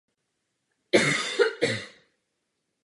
Dále je tvrdě kritizována kvůli své módě.